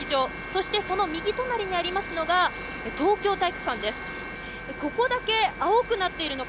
そして、その右隣にありますのが東京体育館です。